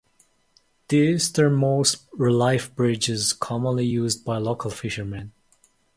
The easternmost relief bridge is commonly used by local fishermen.